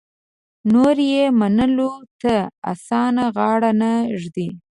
نور یې منلو ته اسانه غاړه نه ږدي.